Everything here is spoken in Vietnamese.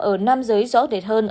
ở nam giới rõ rệt hơn